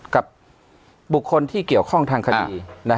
กับบุคคลที่เกี่ยวข้องทางคดี